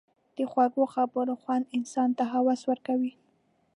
د خوږو خبرو خوند انسان ته هوس ورکوي.